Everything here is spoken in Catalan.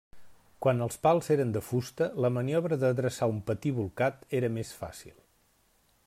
Quan els pals eren de fusta la maniobra d'adreçar un patí bolcat era més fàcil.